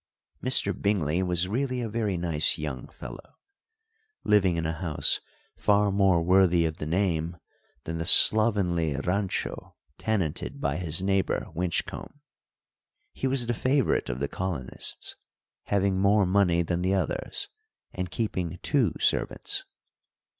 Mr. Bingley was really a very nice young fellow, living in a house far more worthy of the name than the slovenly rancho tenanted by his neighbour Winchcombe. He was the favourite of the colonists, having more money than the others, and keeping two servants.